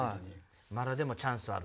まだでもチャンスある